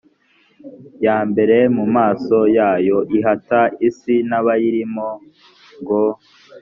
ya mbere mu maso yayo ihata isi n abayirimo ngo